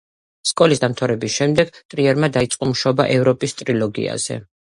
სკოლის დამთავრების შემდეგ ტრიერმა დაიწყო მუშაობა ევროპის ტრილოგიაზე.